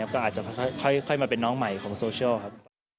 ก็อาจจะค่อยมาเป็นน้องใหม่ของโซเชียลครับ